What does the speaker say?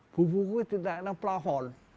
buku saya di naik ke perahu